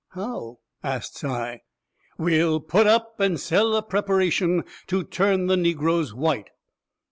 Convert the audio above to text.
"How?" asts I. "WE'LL PUT UP AND SELL A PREPARATION TO TURN THE NEGROES WHITE!"